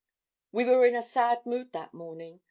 "We were in a sad mood that morning.